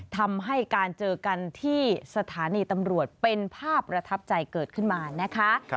ทำให้การเจอกันที่สถานีตำรวจเป็นภาพประทับใจเกิดขึ้นมานะคะ